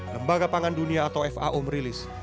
lembaga pangan dunia atau fao merilis